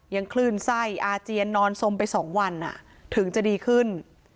คลื่นไส้อาเจียนนอนสมไป๒วันถึงจะดีขึ้น